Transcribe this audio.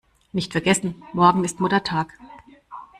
Nicht vergessen: Morgen ist Muttertag!